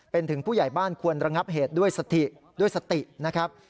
เป็นถึงผู้ใหญ่บ้านควรระงับเหตุด้วยสถิด้วยสตินะครับ